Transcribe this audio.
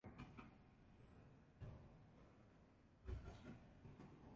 Díaz participó en la Mariners Advance Development League en Peoria.